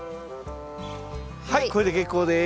はいこれで結構です。